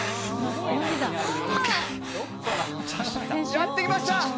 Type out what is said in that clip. やって来ました。